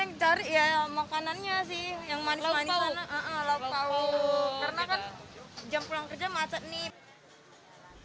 karena kan jam pulang kerja masak nih